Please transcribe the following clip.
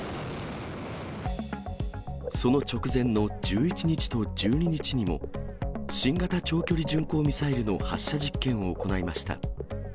その直前の１１日と１２日にも、新型長距離巡航ミサイルの発射実験を行いました。